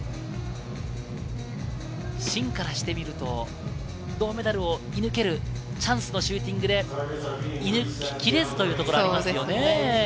シンからしてみると銅メダルを射抜けるチャンスのシューティングで射抜ききれずというところがありますよね。